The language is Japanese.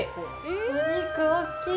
お肉大きい。